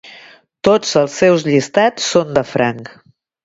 Tots els seus llistats són de franc.